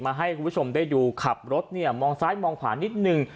ให้คุณผู้ชมได้ดูขับรถเนี่ยมองซ้ายมองขวานิดนึง